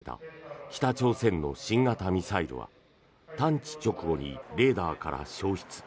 昨日、朝から北海道を騒がせた北朝鮮の新型ミサイルは探知直後にレーダーから消失。